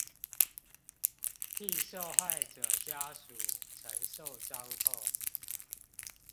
替受害者家屬承受傷痛